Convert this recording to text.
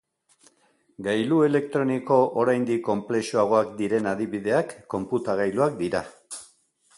Gailu elektroniko oraindik konplexuagoak diren adibideak konputagailuak dira.